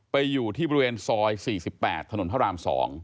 อยู่ที่บริเวณซอย๔๘ถนนพระราม๒